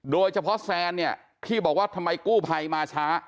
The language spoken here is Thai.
โดยเฉพาะแซนที่บอกว่าทำไมกู้ภัยมาช้า